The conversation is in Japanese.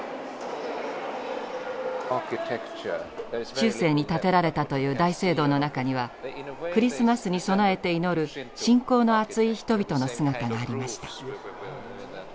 中世に建てられたという大聖堂の中にはクリスマスに備えて祈る信仰のあつい人々の姿がありました。